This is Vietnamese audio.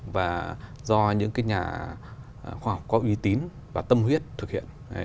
và do những nhà khoa học có uy tín và tâm huyết thực hiện